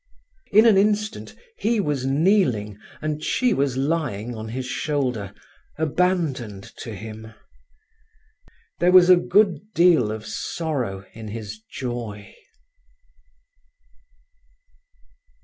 In an instant he was kneeling, and she was lying on his shoulder, abandoned to him. There was a good deal of sorrow in his joy.